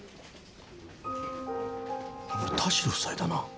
これ田代夫妻だな。